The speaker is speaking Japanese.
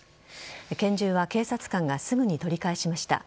拳銃は警察官がすぐに取り返しました。